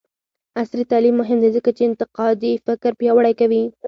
عصري تعلیم مهم دی ځکه چې انتقادي فکر پیاوړی کوي.